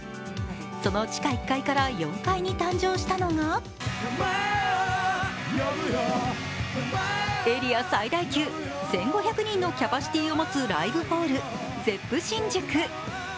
その地下１階から４階に誕生したのがエリア最大級１５００人のキャパシティを持つライブホールＺｅｐｐＳｈｉｎｊｕｋｕ。